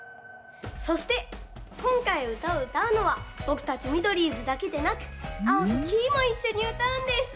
そしてこんかいうたをうたうのはぼくたちミドリーズだけでなくアオとキイもいっしょにうたうんです。